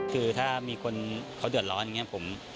คือถ้ามีคนเขาเดือดร้อนอย่างนี้